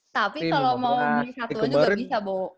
tapi kalau mau beli satuan juga bisa bu